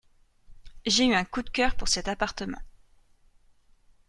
J'ai eu un coup de cœur pour cet appartement.